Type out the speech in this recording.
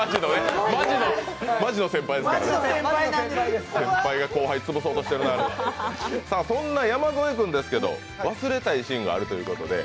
先輩が後輩、潰そうとしてるそんな山添君ですけど忘れたいシーンがあるそうで。